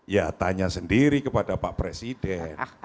ya tanya sendiri kepada pak presiden